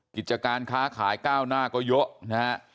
กิจการค้าขายก้าวหน้าก็เยอะนะฮะ